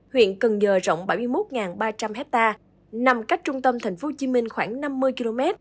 huyện cần giờ rộng bảy mươi một ba trăm linh ha nằm cách trung tâm thành phố hồ chí minh khoảng năm mươi km